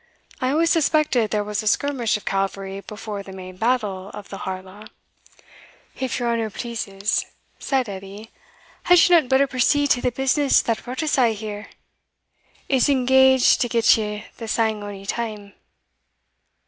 I always suspected there was a skirmish of cavalry before the main battle of the Harlaw." Note H. Battle of Harlaw. "If your honour pleases," said Edie, "had ye not better proceed to the business that brought us a' here? I'se engage to get ye the sang ony time."